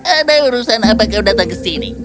ada urusan apa kau datang ke sini